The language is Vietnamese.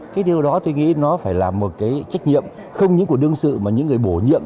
cái điều đó tôi nghĩ nó phải là một cái trách nhiệm không những của đương sự mà những người bổ nhiệm